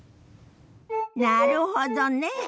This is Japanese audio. なるほどね。